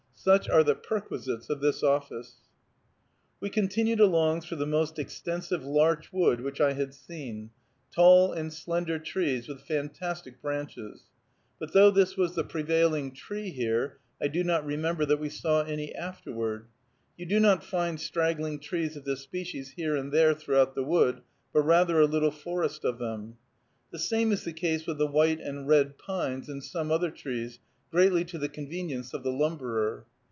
Such are the perquisites of this office. We continued along through the most extensive larch wood which I had seen, tall and slender trees with fantastic branches. But though this was the prevailing tree here, I do not remember that we saw any afterward. You do not find straggling trees of this species here and there throughout the wood, but rather a little forest of them. The same is the case with the white and red pines, and some other trees, greatly to the convenience of the lumberer.